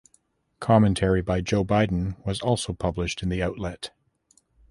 Commentary by Joe Biden was also published in the outlet.